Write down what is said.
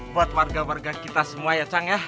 buat warga warga kita semua ya cang ya